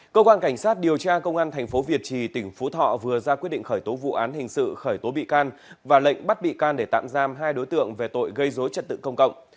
cơ quan cảnh sát điều tra công an tp việt trì tỉnh phú thọ vừa ra quyết định khởi tố vụ án hình sự khởi tố bị can và lệnh bắt bị can để tạm giam hai đối tượng về tội gây dối trật tự công cộng